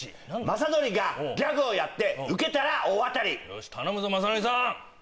雅紀がギャグをやってウケたら大当たりよし頼むぞ雅紀さん